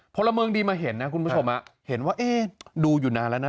พลเมืองดีมาเห็นนะคุณผู้ชมเห็นว่าเอ๊ะดูอยู่นานแล้วนะ